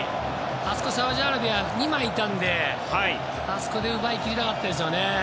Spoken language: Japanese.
あそこはサウジアラビア、２枚いたのであそこで奪い切りたかったですね。